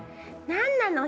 何なの？